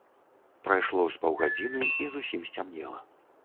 Прайшло з паўгадзіны, і зусім сцямнела.